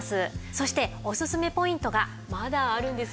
そしておすすめポイントがまだあるんですよね。